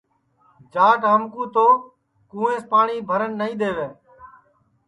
جاٹ ہم کُو تو کُووینٚس پاٹؔی بھرن نائی دے وے